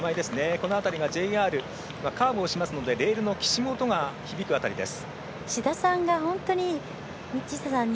この辺りがＪＲカーブをしますのできしむ音が響く辺りです。